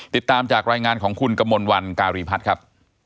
ติดตามจากรายงานของคุณกมลวันการีพัฒน์ครับ